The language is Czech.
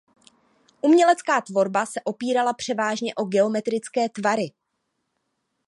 Umělecká tvorba se opírala převážně o geometrické tvary.